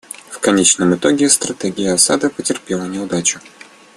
В конечном итоге стратегия Асада потерпит неудачу.